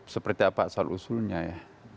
seperti apa soal usulnya ya